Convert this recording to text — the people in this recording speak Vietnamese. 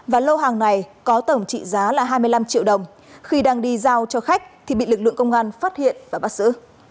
và lô hàng này có tổng trị giá là hai mươi năm triệu đồng khi đang đi giao cho khách thì bị lực lượng công an phát hiện và bắt xử